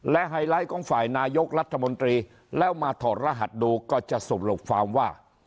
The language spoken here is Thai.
และไฮไลท์ของฝ่ายนายกรัฐมนตรีแล้วมาถอดรหัสดูก็จะสรุปฟาร์มว่า